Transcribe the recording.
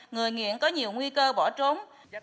người nghiện có nhiều nguy cơ bỏ trốn